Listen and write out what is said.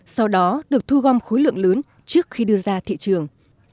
sau đó được thu gom khối lượng lớn trước khi đưa ra thị trường